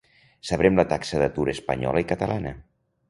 sabrem la taxa d'atur espanyola i catalana